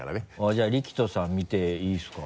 じゃあリキトさん見ていいですか？